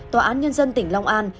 tòa án nhân dân tỉnh long an